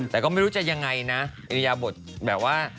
แต่ก็ไม่รู้จะยังไงนะอริยาบทแบบว่า